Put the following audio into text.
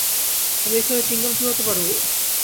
আমি এখানে চুইংগাম চিবাতে পারব?